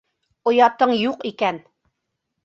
Оятың юҡ икән!